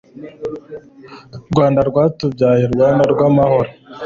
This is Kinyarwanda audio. rwanda rwatubyaye, rwanda rw'amahoro